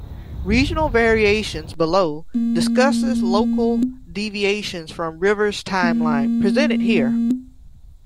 "Regional variations" below discusses local deviations from Rivers' timeline, presented here.